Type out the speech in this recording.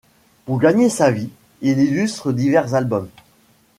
Pour gagner sa vie, il illustre divers albums.